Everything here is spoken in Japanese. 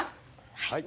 はい。